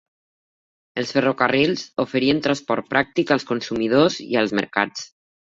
Els ferrocarrils oferien transport pràctic als consumidors i als mercats.